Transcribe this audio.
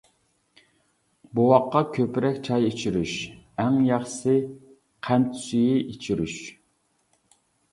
بوۋاققا كۆپرەك چاي ئىچۈرۈش، ئەڭ ياخشىسى قەنت سۈيى ئىچۈرۈش.